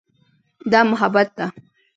دا محبت ده.